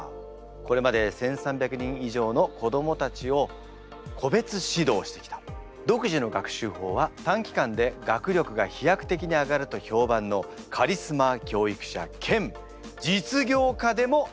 これまで１，３００人以上の子どもたちを個別指導してきた独自の学習法は短期間で学力が飛躍的に上がると評判のカリスマ教育者兼実業家でもあります。